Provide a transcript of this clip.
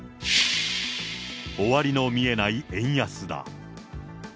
終わりの見えない円安だ。